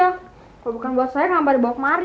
kalau bukan buat saya kenapa dibawa kemari